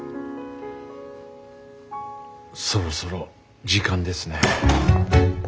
そろそろ時間ですね。